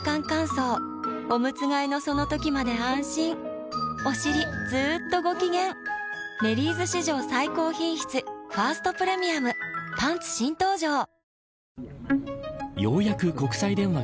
乾燥おむつ替えのその時まで安心おしりずっとご機嫌「メリーズ」史上最高品質「ファーストプレミアム」パンツ新登場！